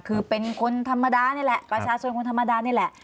คือเป็นคนธรรมดานี่แหละประชาชนคนธรรมดานี่แหละ